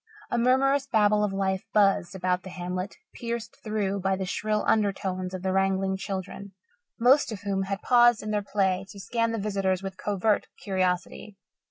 A murmurous babble of life buzzed about the hamlet, pierced through by the shrill undertones of the wrangling children, most of whom had paused in their play to scan the visitors with covert curiosity.